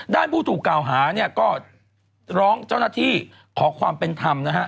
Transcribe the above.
ผู้ถูกกล่าวหาเนี่ยก็ร้องเจ้าหน้าที่ขอความเป็นธรรมนะฮะ